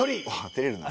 てれるな。